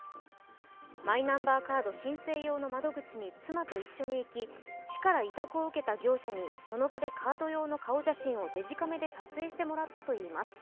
マイナンバーカード申請用の窓口に妻と一緒に行き、市から委託を受けた業者にその場でカード用の顔写真をデジカメで撮影してもらったといいます。